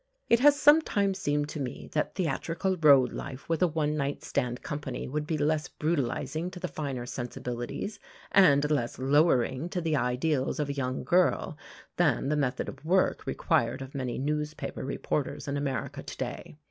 It has sometimes seemed to me that theatrical road life with a one night stand company would be less brutalizing to the finer sensibilities, and less lowering to the ideals of a young girl, than the method of work required of many newspaper reporters in America to day.